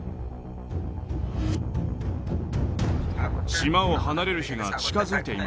島を離れる日が近づいています。